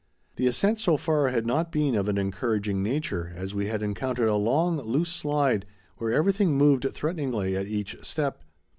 The ascent so far had not been of an encouraging nature, as we had encountered a long, loose slide where everything moved threateningly at each step.